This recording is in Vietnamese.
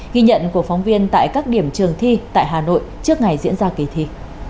ghi nhận của phóng viên tại các điểm trường thi tại hà nội trước ngày diễn ra kỳ thi